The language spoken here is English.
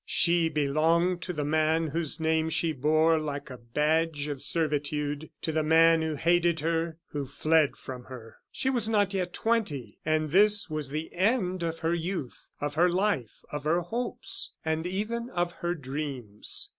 She belonged to the man whose name she bore like a badge of servitude to the man who hated her, who fled from her. She was not yet twenty; and this was the end of her youth, of her life, of her hopes, and even of her dreams.